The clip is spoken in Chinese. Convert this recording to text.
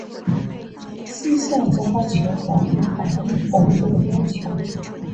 西夏只好求和并答应蒙古的要求。